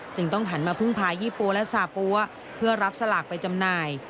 จึงต้องหันมาพึ่งพายี่โปะและสาโปะเพื่อรับสลากไปจำหน่าย